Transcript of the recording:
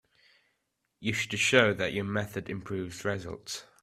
You should show that your method improves results.